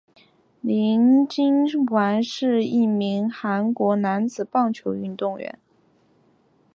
朴勍完是一名韩国男子棒球运动员。